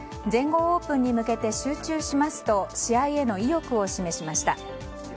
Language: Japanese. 全豪オープンに向けて集中しますと試合への意欲を示しました。